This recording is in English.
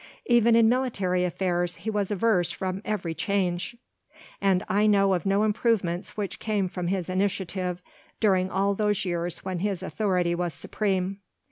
Even in military affairs he was averse from every change, and I know of no improvements which came from his initiative during all those years when his authority was supreme.